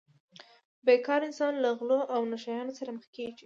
بې کاره انسان له غلو او نشه یانو سره مخ کیږي